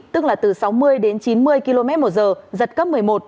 tức là từ sáu mươi đến chín mươi km một giờ giật cấp một mươi một